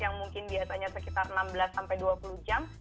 yang mungkin biasanya sekitar enam belas sampai dua puluh jam